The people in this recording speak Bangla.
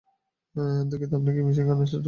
দুঃখিত, আপনি কি মিশিগান স্ট্যাটের কথা উল্লেখ করলেন?